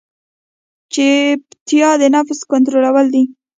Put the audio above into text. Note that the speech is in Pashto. چپتیا، د نفس کنټرول دی.